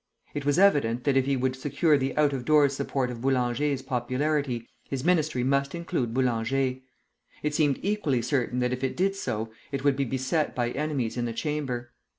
It was evident that if he would secure the out of doors support of Boulanger's popularity, his ministry must include Boulanger. It seemed equally certain that if it did so, it would be beset by enemies in the Chamber.